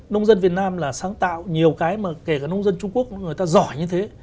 nông dân việt nam là sáng tạo nhiều cái mà kể cả nông dân trung quốc người ta giỏi như thế